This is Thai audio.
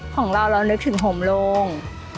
ของเราเรานึกถึงห่มโลง